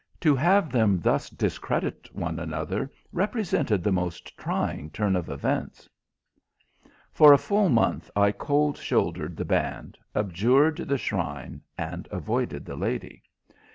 To have them thus discredit one another represented the most trying turn of events. For a full month I cold shouldered the band, abjured the shrine, and avoided the lady.